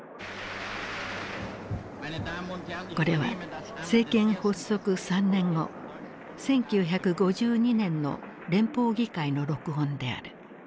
これは政権発足３年後１９５２年の連邦議会の録音である。